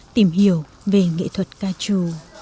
tìm hiểu về nghệ thuật ca chủ